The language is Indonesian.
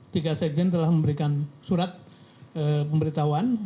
tiga sekjen telah memberikan surat pemberitahuan